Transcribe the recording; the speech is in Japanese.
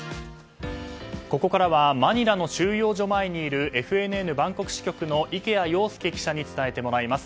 ここからはマニラの収容所前にいるＦＮＮバンコク支局の池谷庸介記者に伝えてもらいます。